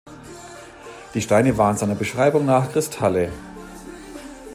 Die Steine waren seiner Beschreibung nach Kristalle.